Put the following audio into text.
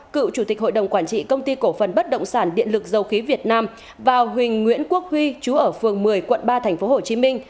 cựu chủ tịch hội đồng quản trị công ty cổ phần bất động sản điện lực dầu khí việt nam và huỳnh nguyễn quốc huy chú ở phường một mươi quận ba tp hcm